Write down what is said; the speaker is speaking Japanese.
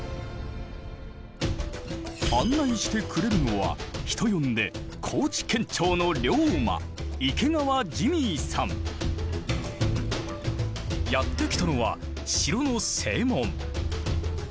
案内してくれるのは人呼んでやって来たのは城の正門。